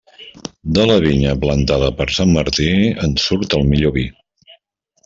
De la vinya plantada per sant Martí, en surt el millor vi.